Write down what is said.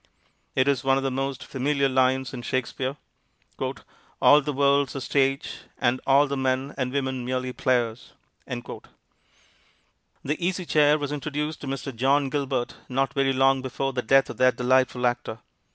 It is one of the most familiar lines in Shakespeare, "All the world's a stage, And all the men and women merely players." The Easy Chair was introduced to Mr. John Gilbert not very long before the death of that delightful actor.